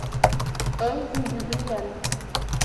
un rue du Grial